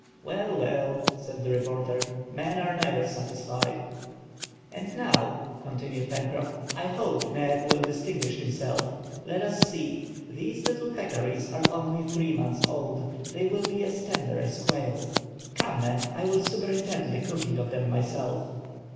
"Well, well," said the reporter, "men are never satisfied." "And now," continued Pencroff, "I hope Neb will distinguish himself. Let us see; these little peccaries are only three months old, they will be as tender as quail. Come, Neb, I will superintend the cooking of them myself."